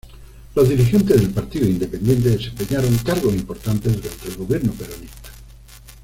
Los dirigentes del Partido Independiente desempeñaron cargos importantes durante el gobierno peronista.